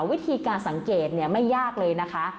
วิธีการสังเกตไม่ยากเลยนะคะ